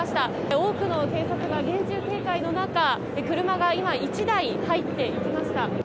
多くの警察が厳重警戒の中車が１台入っていきました。